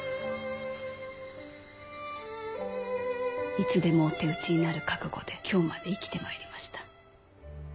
いつでもお手討ちになる覚悟で今日まで生きてまいりました。